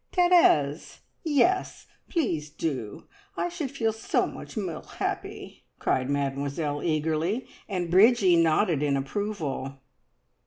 "Therese! Yes, please do! I should feel so much more happy!" cried Mademoiselle eagerly, and Bridgie nodded in approval.